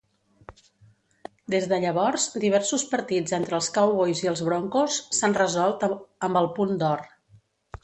Des de llavors, diversos partits entre els Cowboys i els Broncos s'han resolt amb el punt d'or.